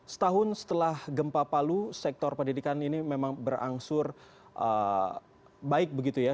setahun setelah gempa palu sektor pendidikan ini memang berangsur baik begitu ya